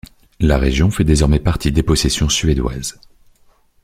La région fait désormais partie des possessions suédoises.